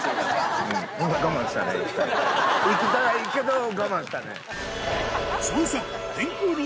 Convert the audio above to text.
いきたいけど我慢したね。